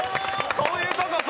そういうとこ！